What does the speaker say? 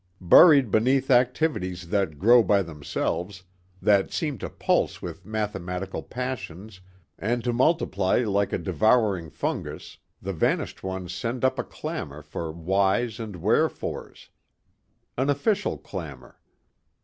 Buried beneath activities that grow by themselves, that seem to pulse with mathematical passions and to multiply like a devouring fungus, the vanished ones send up a clamor for whys and wherefores. An official clamor.